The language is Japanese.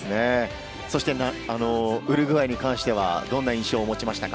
そして、ウルグアイに関しては、どんな印象を持ちましたか？